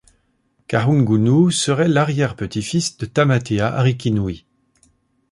Kahungunu serait l'arrière petit-fils de Tamatea Arikinui.